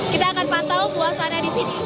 kita akan pantau suasana disini